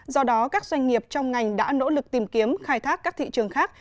do đó các doanh nghiệp trong ngành đã nỗ lực tìm kiếm khai thác các thị trường khác